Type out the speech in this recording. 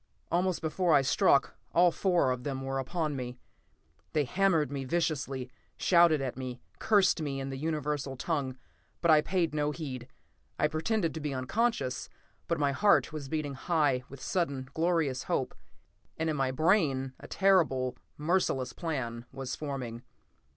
Almost before I struck, all four of them were upon me. They hammered me viciously, shouted at me, cursed me in the universal tongue, but I paid no heed. I pretended to be unconscious, but my heart was beating high with sudden, glorious hope, and in my brain a terrible, merciless plan was forming.